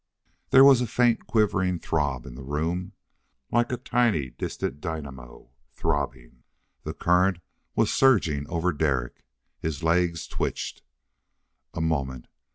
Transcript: There was a faint quivering throb in the room, like a tiny distant dynamo throbbing. The current was surging over Derek; his legs twitched. A moment.